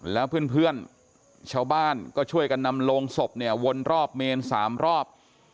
แล้วเพื่อนชาวบ้านก็ช่วยกันนำโลงศพเนี่ยวนรอบเมน๓รอบ